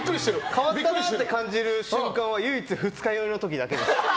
変わったなって感じる時は唯一、二日酔いの時だけです。